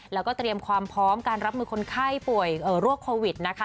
แล้วก็เตรียมความพร้อมการรับมือคนไข้ป่วยโรคโควิดนะคะ